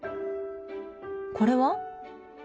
これは？